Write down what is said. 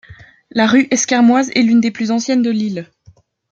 La rue Esquermoise est l'une des plus anciennes de Lille.